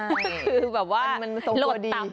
คือแบบว่าลดตับ